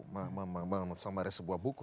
membaca sebuah buku